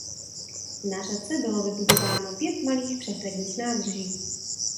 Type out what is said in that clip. Na řece bylo vybudováno pět malých přehradních nádrží.